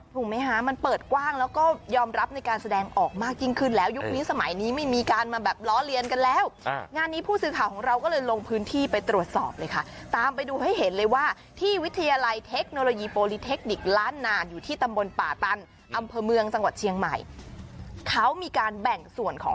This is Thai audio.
ถูกไหมคะมันเปิดกว้างแล้วก็ยอมรับในการแสดงออกมายิ่งขึ้นแล้วยุคนี้สมัยนี้ไม่มีการมาแบบล้อเลียนกันแล้วงานนี้ผู้สื่อข่าวของเราก็เลยลงพื้นที่ไปตรวจสอบเลยค่ะตามไปดูให้เห็นเลยว่าที่วิทยาลัยเทคโนโลยีโปรลิเทคนิคล้านนานอยู่ที่ตำบลป่าตันอำเภอเมืองจังหวัดเชียงใหม่เขามีการแบ่งส่วนของ